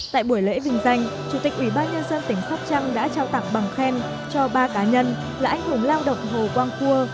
tại buổi lễ vinh danh chủ tịch ủy ban nhân dân tỉnh sóc trăng đã trao tặng bằng khen cho ba cá nhân là anh hùng lao động hồ quang cua